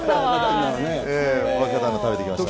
若旦那、食べてきました。